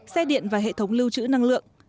xe điện và hệ thống lưu trữ năng lượng